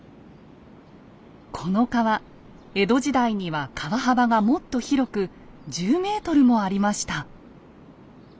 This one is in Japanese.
この川江戸時代には川幅がもっと広く１０ｍもありました。